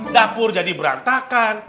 dapur jadi berantakan